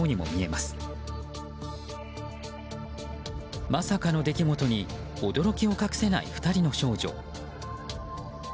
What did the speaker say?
まさかの出来事に驚きを隠せない２人の少女。